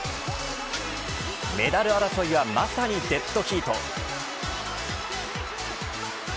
メダル争いはまさにデットヒート。